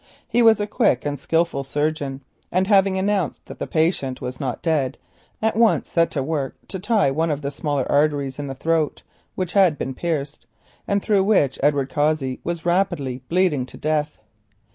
He was a quick and skilful surgeon, and having announced that the patient was not dead, at once began to tie one of the smaller arteries in the throat, which had been pierced, and through which Edward Cossey was rapidly bleeding to death.